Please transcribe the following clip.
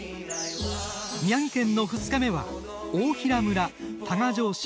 宮城県の２日目は大衡村多賀城市